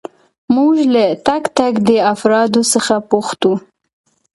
موږ له تک تک دې افرادو څخه پوښتو.